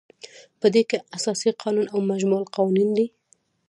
په دې کې اساسي قانون او مجمع القوانین دي.